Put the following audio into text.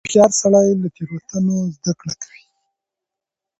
هوښیار سړی له تېروتنو زده کړه کوي.